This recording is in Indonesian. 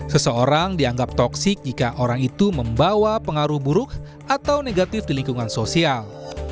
seseorang dianggap toksik jika orang itu membawa pengaruh buruk atau negatif di lingkungan sosial